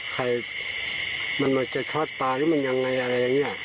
ใครมันจะช็อตปลาหรือมันยังไงอะไรอย่างนี้